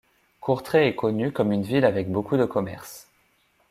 Courtrai est connue comme une ville avec beaucoup de commerces.